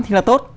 thì là tốt